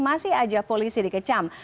masih aja polisi dikecam